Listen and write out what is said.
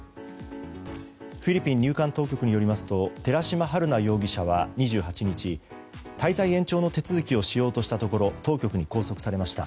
フィリピン入管当局によりますと寺島春奈容疑者は２８日滞在延長の手続きをしようとしたところ当局に拘束されました。